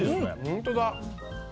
本当だ。